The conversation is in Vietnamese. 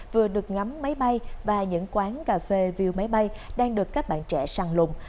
vừa được ngắm máy bay và những quán cà phê view máy bay đang được các bạn trẻ săn lùng